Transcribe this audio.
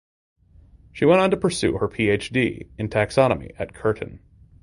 She went on to pursue her PhD in Taxonomy at Curtin.